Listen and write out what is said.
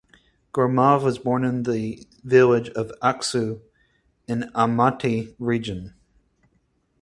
Gromov was born in the village of Aksu in Almaty Region.